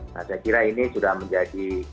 nah saya kira ini sudah menjadi